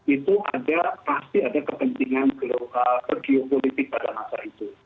itu ada pasti ada kepentingan geopolitik pada masa itu